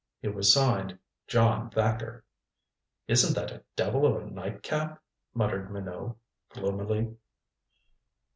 It was signed "John Thacker." "Isn't that a devil of a night cap?" muttered Minot gloomily.